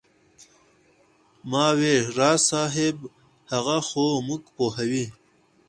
ما وې راز صاحب هغه خو موږ پوهوي.